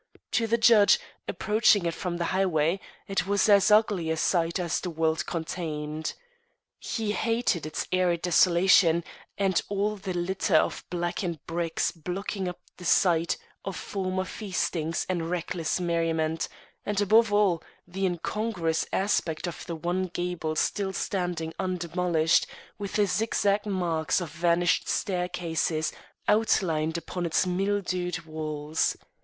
To the judge, approaching it from the highway, it was as ugly a sight as the world contained. He hated its arid desolation and all the litter of blackened bricks blocking up the site of former feastings and reckless merriment, and, above all, the incongruous aspect of the one gable still standing undemolished, with the zigzag marks of vanished staircases outlined upon its mildewed walls.